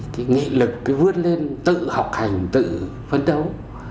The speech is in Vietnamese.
cái nghị lực cứ vươn lên tự học hành tự phấn đấu